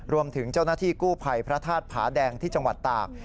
รวมถึงเจ้าหน้าที่กู้ภัยพระธาตุผาแดงที่จังหวัดตาก